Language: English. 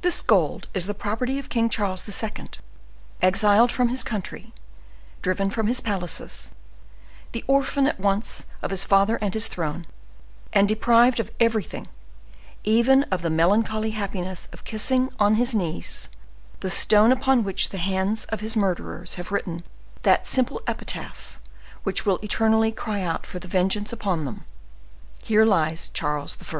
This gold is the property of King Charles II., exiled from his country, driven from his palaces, the orphan at once of his father and his throne, and deprived of everything, even of the melancholy happiness of kissing on his knees the stone upon which the hands of his murderers have written that simple epitaph which will eternally cry out for vengeance upon them:—'HERE LIES CHARLES I.